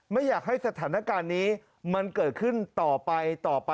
ไม่อยากให้สถานการณ์นี้มันเกิดขึ้นต่อไปต่อไป